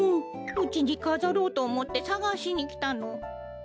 うちにかざろうとおもってさがしにきたの。